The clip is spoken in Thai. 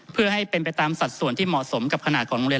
เพื่อให้เป็นไปตามสัดส่วนที่เหมาะสมกับขนาดของโรงเรียน